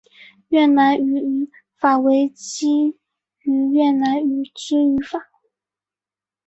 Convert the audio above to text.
越南语语法为基于越南语之语法。